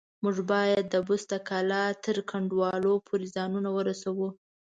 موږ بايد د بست د کلا تر کنډوالو پورې ځانونه ورسوو.